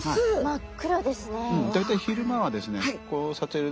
真っ黒ですね。